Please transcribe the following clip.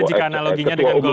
jika analoginya dengan jokowi